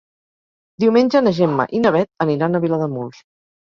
Diumenge na Gemma i na Bet aniran a Vilademuls.